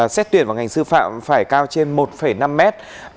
xét tuyển vào ngành sư phạm phải cao trên một năm mét